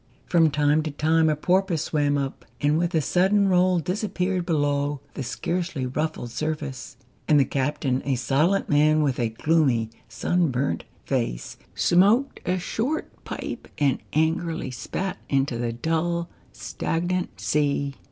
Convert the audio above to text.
From time to time a porpoise swam up, and with a sudden roll disappeared below the scarcely ruffled surface. And the captain, a silent man with a gloomy, sunburnt face, smoked a short pipe and angrily spat into the dull, stagnant sea.